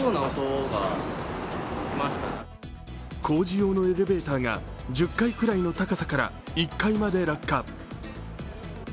工事用のエレベーターが１０階くらいの高さから１階まで落下。